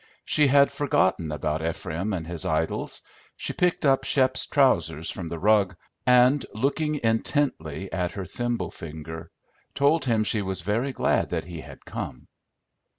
She had forgotten about Ephraim and his idols; she picked up Shep's trousers from the rug, where she had dropped them, and, looking intently at her thimble finger, told him she was very glad that he had come.